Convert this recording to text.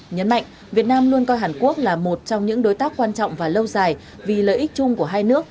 nhấn mạnh việt nam luôn coi hàn quốc là một trong những đối tác quan trọng và lâu dài vì lợi ích chung của hai nước